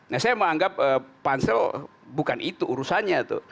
nah saya menganggap pansel bukan itu urusannya tuh